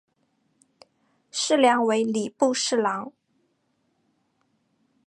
事梁为礼部侍郎。